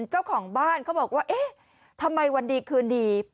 เจ้าของบ้านเขาบอกว่าเอ๊ะทำไมวันดีคืนดี